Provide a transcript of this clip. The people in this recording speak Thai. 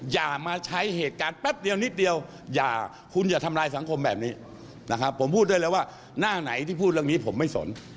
อย่ามาใช้เหตุการณ์แป๊บเดียวนิดเดียวอย่าคุณอย่าทำลายสังคมแบบนี้นะครับผมพูดได้เลยว่าหน้าไหนที่พูดเรื่องนี้ผมไม่สน